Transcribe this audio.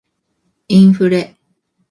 インフレ